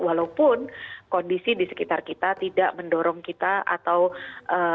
walaupun kondisi di sekitar kita tidak mendorong kita atau ee